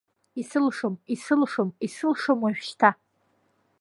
Исылшом, исылшом, исылшом уажәшьҭа…